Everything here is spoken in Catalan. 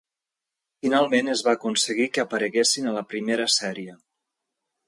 Finalment es va aconseguir que apareguessin a la primera sèrie.